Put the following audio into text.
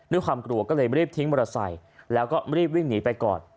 ด้วยความกลัวก็เลยรีบทิ้งมอเตอร์ไซค์แล้วก็รีบวิ่งหนีไปก่อน